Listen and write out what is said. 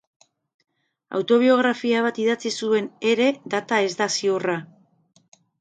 Autobiografia bat idatzi zuen ere, data ez da ziurra.